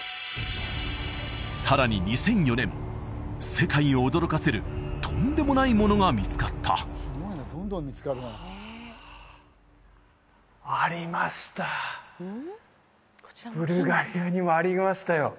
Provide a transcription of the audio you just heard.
さらに２００４年世界を驚かせるとんでもないものが見つかったうわありましたブルガリアにもありましたよ